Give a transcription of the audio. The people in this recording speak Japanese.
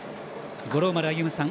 五郎丸歩さん